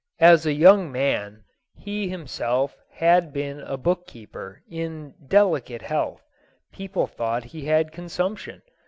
As a young man, he himself had been a bookkeeper, in delicate health. People thought he had consumption.